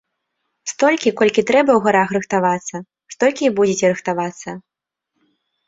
Столькі, колькі трэба ў гарах рыхтавацца, столькі і будзеце рыхтавацца.